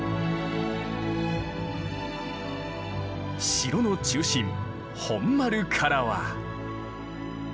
城の中心本丸からは。